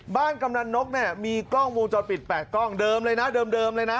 บ้านกำหนันนกมีกล้องวงจอดปิด๘กล้องเดิมเลยนะ